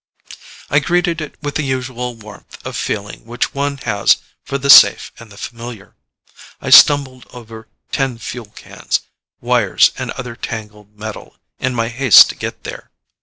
I greeted it with the usual warmth of feeling which one has for the safe and the familiar. I stumbled over tin fuel cans, wires and other tangled metal in my haste to get there.